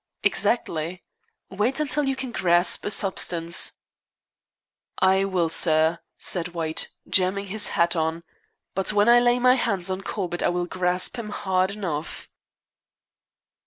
"Exactly. Wait until you can grasp a substance." "I will, sir," said White, jamming his hat on; "but when I lay my hands on Corbett I will grasp him hard enough."